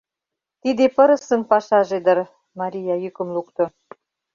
— Тиде пырысын пашаже дыр, — Мария йӱкым лукто.